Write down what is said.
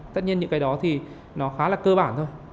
tất nhiên những cái đó thì nó khá là cơ bản thôi